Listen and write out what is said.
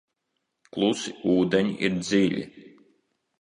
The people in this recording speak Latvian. Klusi ūdeņi ir dziļi.